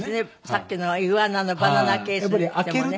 さっきのイグアナのバナナケースにしてもね。